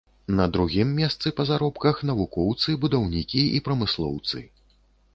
На другім месцы па заробках навукоўцы, будаўнікі і прамыслоўцы.